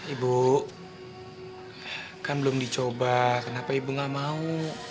ibu kan belum dicoba kenapa ibu gak mau